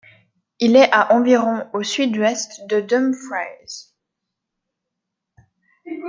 Il est à environ au sud-ouest de Dumfries.